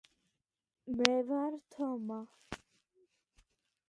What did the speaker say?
მევარ თომა